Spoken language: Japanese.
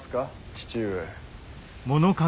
父上。